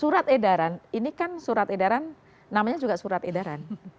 surat edaran ini kan surat edaran namanya juga surat edaran